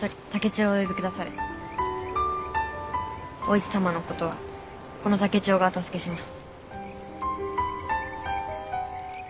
お市様のことはこの竹千代がお助けします。